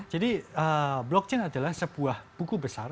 jadi blockchain adalah sebuah buku besar